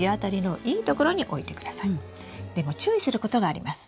でも注意することがあります。